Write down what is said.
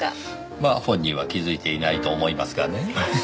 まあ本人は気づいていないと思いますがね。